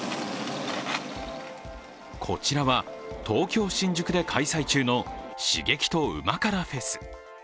こちらは東京・新宿で開催中の刺激と旨辛ＦＥＳ。